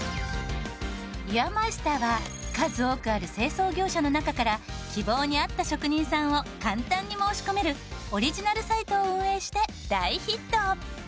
ユアマイスターは数多くある清掃業者の中から希望にあった職人さんを簡単に申し込めるオリジナルサイトを運営して大ヒット。